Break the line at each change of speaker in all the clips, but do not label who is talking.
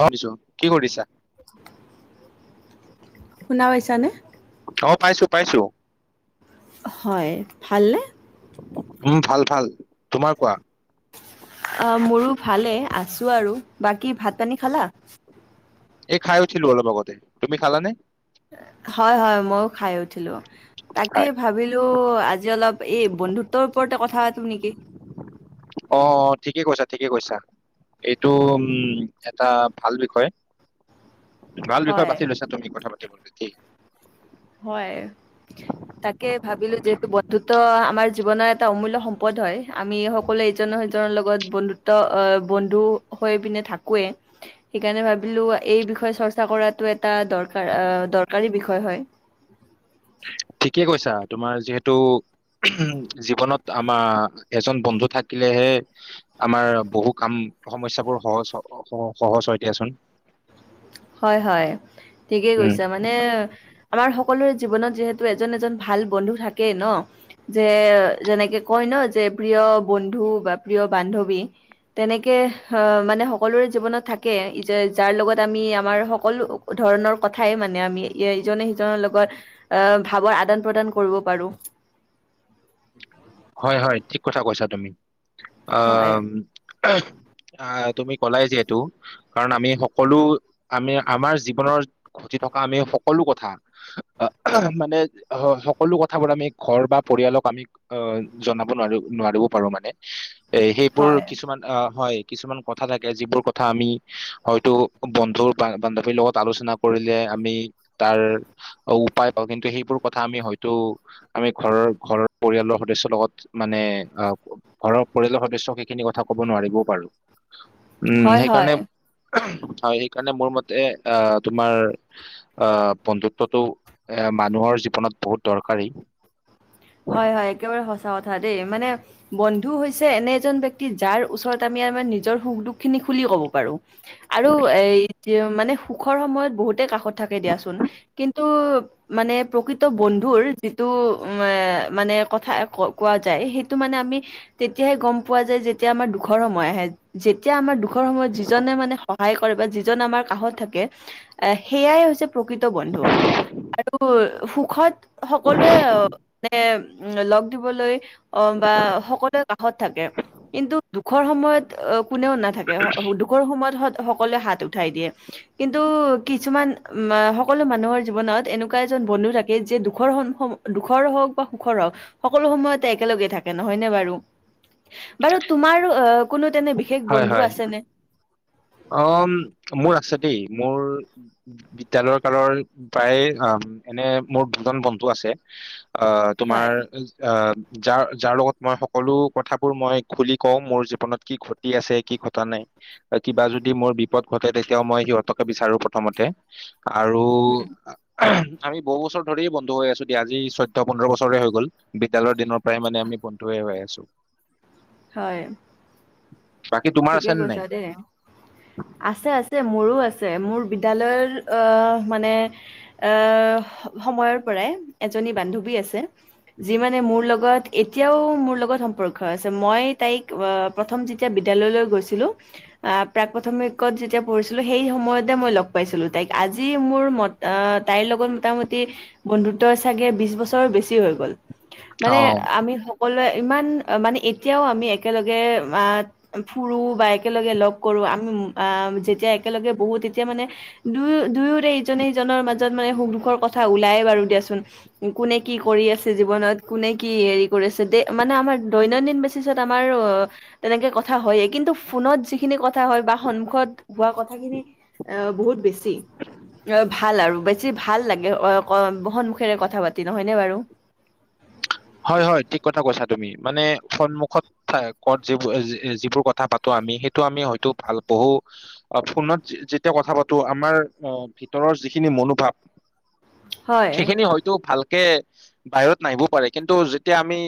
অ' দিছো কি কৰিছা
শুনা পাইছা নে
অ' পাইছো পাইছো
হয় ভালনে
উম ভাল ভাল তোমাৰ কোৱা।
অ' মোৰো ভালে আছো আৰু বাকী ভাত পানী খালা?
এই খাই উঠিলোঁ অলপ আগতে। তুমি খালানে?
হয়, হয় মইওঁ খাই উঠিলো।
হয়
তাকেই ভাবিলো আজি অলপ এই বন্ধুত্বৰ ওপৰতে কথা পাতো নেকি?
অ' ঠিকে কৈছা ঠিকে কৈছা এইটো উম এটা ভাল বিষয়। ভাল বিষয়
হয়।
বাছি লৈছা তুমি কথা পাতিব। কি হ'ল তে [unintelligible]
হয়, তাকে ভাবিলো যিহেতু বন্ধুত্ব আমাৰ জীৱনৰ এটা অমূল্য সম্পদ হয়। আমি সকলোৱে ইজনৰ সিজনৰ লগত বন্ধুত্ব বন্ধু হৈ পিনে থাকোৱেই সেইকাৰণে ভাবিলো এই বিষয়ে চৰ্চা কৰাতটো এটা দৰকাৰ দৰকাৰী বিষয় হয়। উম [unintelligible]
ঠিকেই কৈছা। তোমাৰ যিহেতু জীৱনত আমাৰ এজন বন্ধু থাকিলেহে আমাৰ বহু কাম সমস্যাবোৰ সহজ সহজ হয় দিয়াচোন।
হয়, হয় ঠিকেই
উম
কৈছা মানে আমাৰ সকলো সকলোৰে জীৱনত যিহেতু এজন এজন ভাল বন্ধু থাকে ন, যে যেনেকৈ কৈয় ন যে প্ৰিয় বন্ধু বা বান্ধৱী তেনেকৈ মানে সকলোৱে জীৱনত থাকে যাৰ লগত আমি আম আমাৰ সকলো ধৰণৰ কথাই মানে আমি ইজনে সিজনৰ লগত ভাৱ আদান প্ৰদান কৰিব পাৰো।
হয়, হয় ঠিক কথা কৈছা তুমি।
হয়,
অ' আহ তুমি ক'লাই যিহেতু, কাৰণ আমি সকলো আমি আমাৰ জীৱনৰ ঘতি থকা আমি সকলো কথা আহ মানে সকলো কথাবোৰ আমি ঘৰ বা পৰিয়ালক আমি অ' জনাব নোৱাৰো নোৱাৰিব পাৰো মানে। এ সেইবোৰ
হয়,
কিছুমান অ' হয়। কিছুমান কথা থাকে যিবোৰ কথা আমি হয়তো বন্ধু বান্ধৱীৰ লগত আলোচনা কৰিলে আমি তাৰ উপায় পাওঁ কিন্তু সেইবোৰ কথা আমি হয়তো আমি ঘৰৰ ঘৰৰ পৰিয়ালৰ সদস্যৰ লগত মানে আৰু ঘৰৰ পৰিয়ালৰ সদস্য সেইখিনি কথা ক'ব নোৱাৰিবও পাৰো উম
হয়, হয়।
সেইকাৰণে আৰু সেইকাৰণে মোৰ মতে তোমাৰ বন্ধুত্বটো এ মানুহৰ জীৱনত বহুত দৰকাৰী
হয় হয় একেবাৰে সঁচা এটা কথা দেই মানে বন্ধু হৈছে এনে এজন ব্যক্তি যাৰ ওচৰত আমি আমাৰ নিজৰ সুখ দুখ খিনি খুলি ক'ব পাৰো আৰু এ এতিয়া মানে সুখৰ সময়ত বহুতে কাষত থাকে দিয়াচোন কিন্তু, টো মানে প্ৰকৃত বন্ধুৰ যিটো অ। মানে কথা কোৱা যায় সেইটো মানে আমি তেতিয়াহে গম পোৱা যায় যেতিয়া আমাৰ দুখৰ সময় আহে যেতিয়া আমাৰ দু সুখৰ সময়ত যিজনে মানে। সহায় কৰে যি আমাৰ কাষত থাকে সেয়াই হৈছে প্ৰকৃত বন্ধু আৰু। সুখত সকলোৱে অ - - উ লগ দিবলৈ, অ বা সকলোৱে কাষত থাকে কিন্তু সুখৰ সময়ত কোনেও নাথাকে উ দুখৰ সময়ত সকলোৱে হাত উঠাই দিয়ে কিন্তু কিছুমান সকলো মানুহৰ জীৱনত এনেকুৱা এজন বন্ধু থাকে যে দুখৰ দুখৰ হওঁক। সুখৰ হক সকলো সময়তে একেলগে থাকে নহয় ন বাৰু বাৰু তোমাৰো কোনো। তেনে বিশেষ বন্ধু আছেনে।
অ মোৰ আছে দেই মোৰ বিদ্যালয়ৰ কালৰ প্ৰায় এনে মোৰ দুজন বন্ধু আছে। আ
হয়
তোমাৰ যাৰ যাৰ লগত মই সকলো কথাবোৰ মই খুলি কওঁ মোৰ জীৱনত কি ঘটি আছে কি ঘটা নাই কিবা যদি মোৰ বিপদ ঘটে তেতিয়াও মই সিহঁতকে বিচাৰো প্ৰথমতে। আৰু
উম,
[unintelligible] আমি বহু বছৰ ধৰি বন্ধু হৈ আছোঁ দিয়া, আজি চৈধ্যয় পোন্ধৰ বছৰে হৈ গল বিদ্যালয়ৰ দিনৰ পৰাই মানে আমি বন্ধুয়ে হৈ আছোঁ।
হয়।
বাকী তোমাৰ
ঠিকে
আছে নে
কৈছা
নাই?
দেই আছে আছে মোৰো আছে। মোৰ বিদ্যালয়ৰ মানে অ সময়ৰ পৰাই। এজনী বান্ধৱী আছে। যি মানে মোৰ লগত এতিয়াও মোৰ লগত সম্পৰ্ক আছে মই তাইক প্ৰথম যেতিয়া বিদ্যালয়লৈ গৈছিলোঁ আহ প্ৰাক প্ৰাথমিকত যেতিয়া পঢ়িছিলোঁ সেই সময়তে মই লগ পাইছিলোঁ তাইক আজি মোৰ ম তাইৰ লগত মোটামুটি বন্ধুত্ব চাগে বিছ বছৰ বেছি হৈ গ'ল।
অ
মানে আমি সকলোৱে। ইমান মানে এতিয়াও আমি একেলগে আ ফুৰোঁ বা একেলগে লগ কৰোঁ আমি আ যেতিয়া একেলগে বহো তেতিয়া মানে দুয়ো দুয়োৰে ইজনে সিজনৰ মাজত মানে সুখ দুখৰ কথা ওলাই বাৰু দিয়াচোন, কোনে কি কৰি আছে জীৱনত কোনে কি হেৰি কৰি আছে দে মানে আমাৰ দৈনন্দিন বেচিছত আমাৰ তেনেকে ক কথা হয় কিন্তু ফোনত যিখিনি ক থা হয় বা সন্মুখত হোৱা কথ থাখিনি, অ বহুত বেছ টি অ ভাল আৰু। বেছি ভাল লাগে [unintelligible] বহন মুখেৰে কথা পাতি নহয়নে বাৰু?
হয় হয় ঠিক কথা কৈছা তুমি মানে সন্মুখত থাই কত যিবো এ যি এ যিবোৰ কথা পাতো আমি সেইটো আমি হয়তো ভাল পহো ফোনত যেতিয়া কথা পাতো আমাৰ ভিতৰ যিখিনি মনোভাৱ
হয়।
সেইখিনি হয়তো ভাল কে বাহিৰত নাহিবও পাৰে। কিন্তু যেতিয়া আমি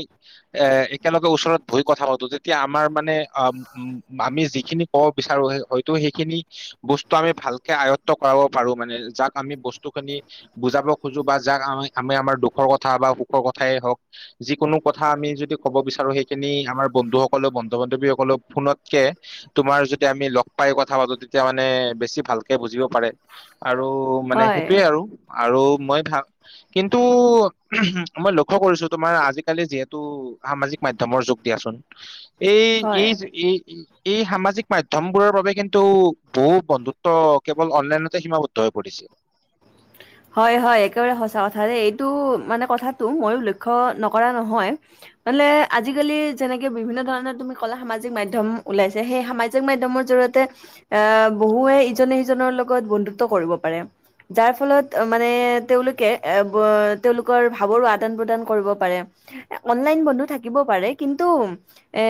এ একেলগে ওচৰত বহি কথা পাতো তেতিয়া আমাৰ মানে আ উ আমি যিখিনি কব বিচাৰো হয়তো সেইখিনি বস্তু আমি ভালকে আয়ত্ব কৰাব পাৰো মানে যাক আমি বস্তুখিনি বুজাব খোজো বা যাক আ আমি আমাৰ দুখৰ কথা বা সুখৰ কথাই হওঁক যিকোনো কথা আমি যদি কব বিচাৰো সেইখিনি আমাৰ বন্ধুসকললে বন্ধু বান্ধৱীসকললে ফোনতকে তোমাৰ যদি আমি লগ পাই কথা পাতো তেতিয়া মানে বেছি ভালকে বুজিব পাৰে। আৰু মানে
হয়,
সেইটোয়ে আৰু আৰু মই ভা কিন্তু মই লক্ষ্য কৰিছো তোমাৰ আজিকালি যিহেতু সামাজিক মাধ্যমৰ যুগ দিয়াচোন। এই
হয়।
এই এই এই সামাজিক মাধ্যমবোৰৰ বাবে কিন্তু বহু বন্ধুত্ব কেৱল অনলাইনতে সীমাবদ্ধ হৈ পৰিছে।
হয় হয় একেবাৰে সচা কথা যে এইটো মানে কথাটো মইয়ো লক্ষ্য নকৰা নহয় মালে আজিকালি যেনেকে বিভিন্ন ধৰণৰ তুমি ক'লা সামাজিক মাধ্যম ওলাইছে সেই সামাজিক মাধ্যমৰ জৰিয়তে এ বহুৱে ইজনে সিজনৰ লগত বন্ধুত্ব কৰিব পাৰে। যাৰ ফলত মানে তেওঁলোকে এ তেওঁলোকৰ ভাৱৰো আদান প্ৰদান কৰিব পাৰে। অনলাইন বন্ধু থাকিব পাৰে কিন্তু এ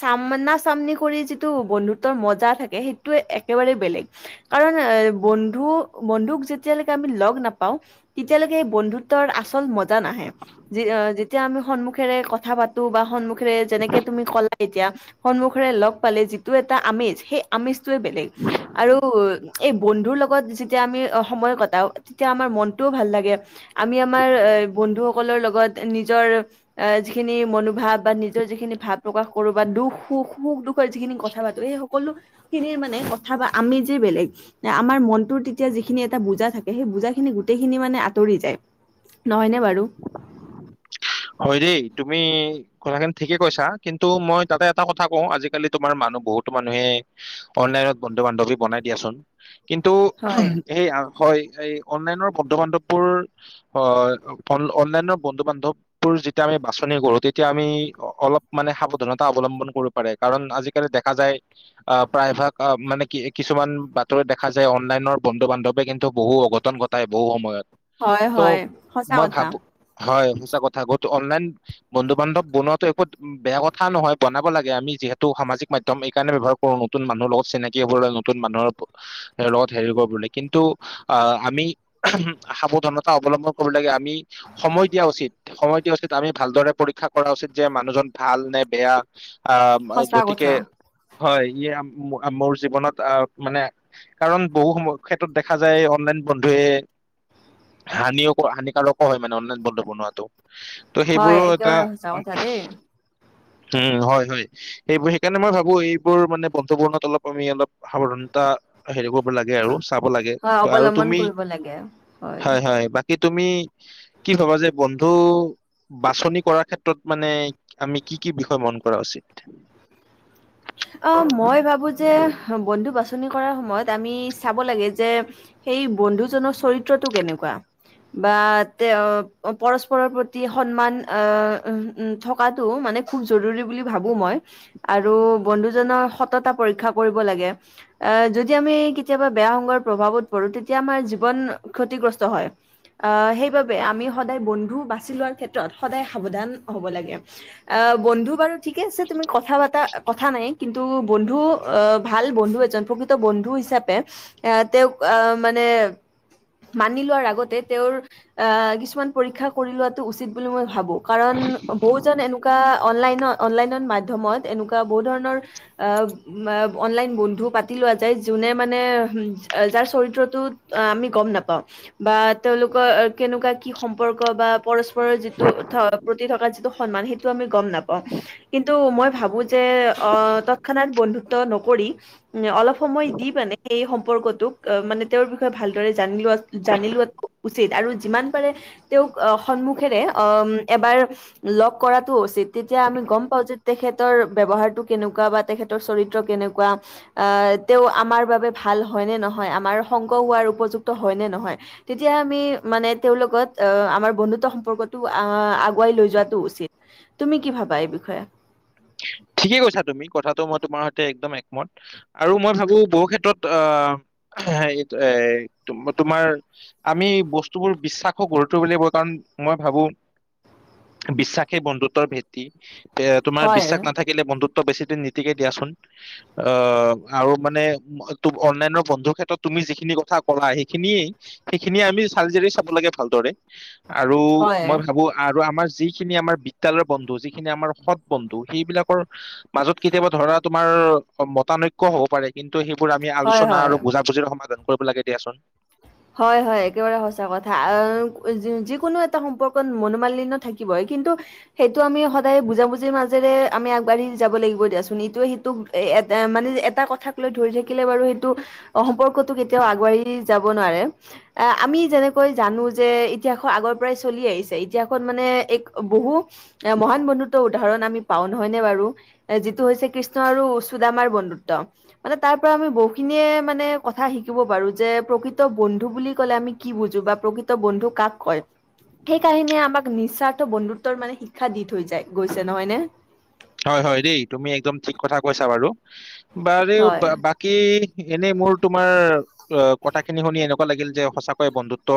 চামনা চামনি কৰি যিটো বন্ধুত্বৰ মজা থাকে সেইটোে একেবাৰেই বেলেগ কাৰণ এ বন ন্ধু বন্ধুক যেতিয়া লৈকে আমি লগ নাপাওঁ, তেতিয়ালৈকে সেই বন্ধুত্বৰ আচল মজ জা নাহে যেতিয়া আমি সন্মুখী মুখেৰে কথা পাতো বা সন্মুখী ৰে যেনেকে তুমি ক'লা এতিয়া, সন্মুখৰে লগ পালে যিটো এটা আমেজ সেই আমেজ বেলেগ, আৰু এই - - বন্ধুৰ লগত লগত যেতিয়া আমি সময় কটাও তেতিয়া আমাৰ মনটোও ভাল লাগে আমি আমাৰ বন্ধুসকলৰ লগত নিজৰ যিখিনি মনোভাৱ বা নিজৰ যিখিনি ভাৱ প্ৰকাশ কৰো বা দুখ সুখ সুখ দুখৰ যিখিনি কথা পাতো সেই সকলোখিনিৰ মানে কথা বা আমি যে বেলেগ আমাৰ মন তেতিয়া যিখিনি এটা বুজা থাকে সেই বুজা খিনি গোটেইখিনি মানে আঁতৰি যায় নহয়নে বাৰু?
হয় দেই তুমি কথাখিনি ঠিকে কৈছা কিন্তু মই তাতে এটা কথা কওঁ আজিকালি তোমাৰ মানুহ বহুতো মানুহে অনলাইনত বন্ধু বান্ধৱী বনাই দিয়াচোন, কিন্তু
হয়
সেইয়া হয় এই অনলাইনৰ বন্ধু বান্ধৱবোৰ আহ অন অনলাইনৰ বন্ধু বান্ধৱ যেতিয়া আমি বাছনি কৰো তেতিয়া আমি অলপ মানে সাৱধানতা অৱলম্বন কৰো পাৰে কাৰণ আজিকালি দেখা যায় প্ৰায় ভাগ মানে কি কিছুমান বাতৰি দেখা যায় অনলাইনৰ বন্ধু বান্ধৱে কিন্তু বহু অঘটন ঘটাই বহু সময়ত।
হয়,
ত
হয়, সঁচা
মই
কথা।
ভাবো হয়,, [unintelligible] অনলাইন বন্ধু বান্ধৱ বনোৱাতো একো বেয়া কথা নহয় বনাব লাগে আমি যিহেতু সামাজিক মাধ্যম এই কাৰণে ব্যৱহাৰ কৰো নতুন মানুহৰ লগত চিনাকি হব ল নতুন মানুহৰ লগত হেৰি কৰিব লাগে কিন্তু আহ আমি সাৱধানতা অৱলম্বন কৰিব লাগে আমি সময় দিয়া উচিত। সময় দি উচিত আমি ভালদৰে পৰীক্ষা কৰা উচিত যে মানুহজন ভাল নে বেয়া অ
সঁচা
গতিকে
কথা,
হয় ই মোৰ জীৱনত আহ মানে কাৰণ বহু সম ক্ষেত্ৰত দেখা যায় অনলাইন বন্ধুৱে হানিও হানিকাৰকো হয় মানে অনলাইন বন্ধু বন্ন ত
হয় একেবাৰে সঁচা কথা দেই।
উম হয় হয় সেইবোৰ সেইকাৰণে মই ভাবো এইবোৰ মানে বন্ধু বৰ্ণত অলপ আমি অলপ সাৱধানতা হেৰি কৰিব লাগে আৰু। লাগে
হয়
আৰু
অৱলম্বন
তুমি
কৰিব লাগে,
হয় হয় কি তুমি কি ভবা যে বন্ধু বাছনি কৰাৰ ক্ষেত্ৰত মানে আমি কি কি বিষয় মন কৰা উচিত?
অ মই ভাবো যে বন্ধু বাছনি কৰাৰ সময়ত আমি চাব লাগে যে সেই বন্ধুজনৰ চৰিত্ৰটো কেনেকুৱা বা তে পৰস্পৰৰ প্ৰতি সন্মান আহ থকাটো মানে খুব জৰুৰী বুলি ভাবো মই আৰু বন্ধুজনৰ সততা পৰীক্ষা কৰিব লাগে আহ যদি আমি কেতিয়াবা বেয়া সংগৰ প্ৰভাৱত পৰো তেতিয়া আমাৰ জীৱন ক্ষতিগ্ৰস্ত হয় আহ সেইবাবে আমি সদায় বন্ধু বাচি লোৱাৰ ক্ষেত্ৰত সদায় সাৱধান হ'ব লাগে আহ বন্ধু বাৰু ঠিকে আছে তুমি কথা বতা, কথা নাই কিন্তু বন্ধু আহ ভাল বন্ধু এজন প্ৰকৃত বন্ধু হিচাপে আহ তেওঁক আহ মানে মানি লোৱাৰ আগতে তেওঁৰ আহ কিছুমান পৰীক্ষা কৰি লোৱাতো উচিত বুলি মই ভাবো কাৰণ বহুজন এনেকুৱা অনলাইন অনলাইনৰ মাধ্যমত এনেকুৱা বহুধৰণৰ আহ ম অনলাইন বন্ধু পাতি লোৱা যায় যোনে মানে যাৰ চৰিত্ৰটো আমি গম নাপাওঁ বা তেওঁলোকৰ কেনেকুৱা কি সম্পৰ্ক বা পৰশ পৰৰ যিটো উঠপ'। প্ৰতি থকা যিটো সন্মান সেইটো আমি গম নাপাওঁ, কিন্তু মই ভাবো যে অ তৎক্ষণাত বন্ধুত্ব নক কৰি উ অলপ সময় দি মানে সেই সম্পৰ্কত মানে তেওঁৰ বিষয়ে ভালদৰে যিটো জানি লোৱা জানি লোৱা টো উচিত আৰু যিমান তেওঁক সন্মুখেৰে অ এবাৰ লগ কৰাতটো উচিত তেতিয়া আমি গম পাও যে তেখেতৰ ব্যৱহাৰতো কেনেকুৱা বা তেখেতৰ চৰিত্ৰ কেনেকুৱা, আ তেওঁ আমাৰ বাবে ভাল হয়নে নহ আমাৰ সংগ হোৱাৰ উপযুক্ত হয় নে নহয়, তেতিয়া আমি মানে তেওঁৰ লগত আমাৰ বন্ধুত্ব সম্পৰ্কতটো'আ আগুৱাই লৈ যোৱাতটো উচিত। তুমি কি ভাবা এই বিষয়ে?
ঠিকেই কৈছা তুমি কথাটো মই তোমাৰ সৈতে একদম একমত আৰু মই ভাবো বহু ক্ষেত্ৰত আহ হ এ তোমাৰ আমি বস্তুবোৰ বিশ্বাসো গঢ়ি তুলিব লাগিব কাৰণ মই ভাবো বিশ্বাসেই বন্ধুত্বৰ ভেটি এ তোমাৰ
হয়
বিশ্বাস থাকিলে বন্ধুত্ব বেছি দিন নীতিকে দিয়াচোন আহ আৰু মানে অনলাইনৰ বন্ধুৰ ক্ষেত্ৰত তুমি যিখিনি কথা কলা সেইখিনিয়ে সেইখিনিয়ে আমি চালিজাৰি চাব লাগে ভালদৰে। আৰু
হয়
মই ভাবো আৰু আমাৰ যিখিনি আমাৰ বিদ্যালয়ৰ বন্ধু যিখিনি আমাৰ সৎ বন্ধু সেইবিলাকৰ মাজত কেতিয়াবা ধৰা তোমাৰ মতানৈক্য হ'ব পাৰে কিন্তু সেইবোৰ আমি
হয়
আলোচনা
হয়
আৰু বুজাবুজিৰে সমাধান কৰিব লাগে দিয়াচোন।
হয় হয় একেবাৰে সঁচা কথা আহ যিকোনো এটা সম্পৰ্কত মনোমালিন্য থাকিবই কিন্তু সেইটো আমি সদায় বুজাবুজিৰ মাজ মাজেৰে আগবাঢ়ি যাব লাগিব দিয়াচোন, ইটোৱে হিটোক এ মানে এটা কথাক লৈ ধৰি থাকিলে বাৰু সেইটো সম্পৰ্ তো কেতিয়াও আগুৱাই যাব নোৱাৰে। অ আমি যেনেকৈ জানো যে ইতিহাস আগৰ পৰাই চলি আহিছে ইতিহাসত মানে এক বহু এ মহান বন্ধুত্ব উদাহৰণ আমি পাও নহয় নে বাৰু যিটো হৈছে কৃষ্ণ আৰু সুদামাৰ বন্ধুত্ব, মানে তাৰ পৰা আমি বহুখিনিয়ে মানে কথা শিকিব পাৰো যে প্ৰকৃত বন্ ন্ধু বুলি ক'লে আমি কি বুজো বা প্ৰকৃত বন্ধু কাক কয় সেই কাহিনীয়ে আমাক নিস্বাৰ্থ বন্ধুত্বৰ মানে শিক্ষা দি থৈ যায় গৈছে নহয় নে।
হয়- হয় দেই তুমি একদম ঠিক কথা কৈছা বাৰু- বাৰু
হয়
বাকী- এনেই মোৰ তোমাৰ অ' কথাখিনি শুনি এনেকুৱা লাগিল, যে সঁচাকয় বন্ধুত্ব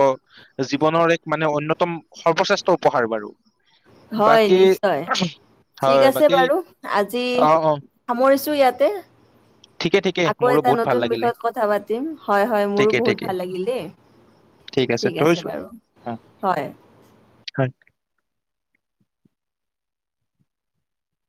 জীৱনৰ এক মানে অনয়তম সৰ্বশ্ৰেষ্ঠ উপহাৰ বাৰু।
হয়
বাকী
নিশ্চয় ঠিক
হয়
আছে।
বাকী
বাৰু আজি
অ অ
সামৰিছো, ইয়াত। তে।
ঠিকে ঠিকে
আকৌ
মোৰো
এটা
বহুত ভাল
নতুন
লাগিলে
বিষয়ত কথা পাতিম হয়, হয় মোৰো
ঠিকে
বহুত
ঠিকে
ভাল লাগিল দেই ঠিক আছে বাৰু
অ
হয়।
হয়